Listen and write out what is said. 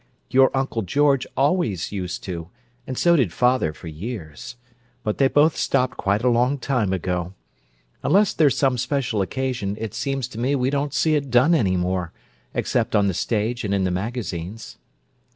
"Your Uncle George always used to, and so did father, for years; but they both stopped quite a long time ago. Unless there's some special occasion, it seems to me we don't see it done any more, except on the stage and in the magazines."